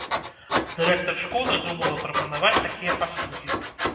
Дырэктар школы думала прапанаваць такія паслугі.